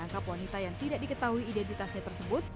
warga terpaksa menangkap wanita yang tidak diketahui identitasnya tersebut